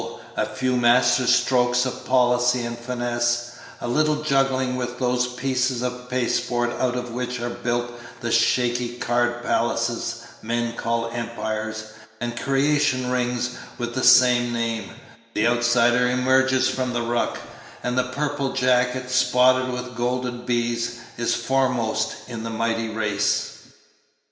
a few master strokes of policy and finesse, a little juggling with those pieces of pasteboard out of which are built the shaky card palaces men call empires, and creation rings with the same name; the outsider emerges from the ruck, and the purple jacket, spotted with golden bees, is foremost in the mighty race.